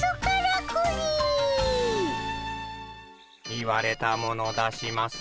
言われたもの出します。